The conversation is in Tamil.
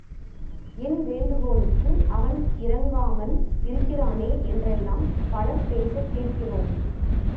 என் வேண்டுகோளுக்கு அவன் இரங்காமல் இருக்கிறானே என்றெல்லாம் பலர் பேசக் கேட்கிறோம்.